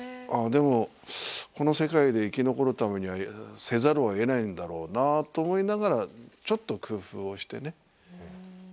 でもこの世界で生き残るためにはせざるをえないんだろうなと思いながらちょっと工夫をしてね。